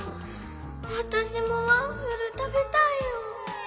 わたしもワッフルたべたいよ！